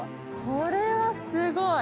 これはすごい。